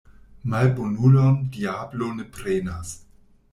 Malbonulon diablo ne prenas.